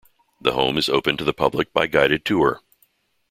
The home is open to the public by guided tour.